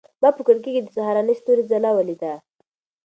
ما په کړکۍ کې د سهارني ستوري ځلا ولیده.